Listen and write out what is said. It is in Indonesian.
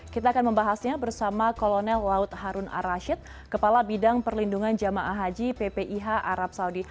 kita akan membahasnya bersama kolonel laut harun arashid kepala bidang perlindungan jemaah haji ppih arab saudi